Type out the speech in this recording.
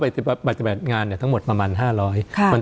เห็นไหมคะบอกว่าใช้คนตรวจตั้งแต่วันแรกจนถึงตรวจเสร็จประมาณเดือนครึ่งใช้เวลา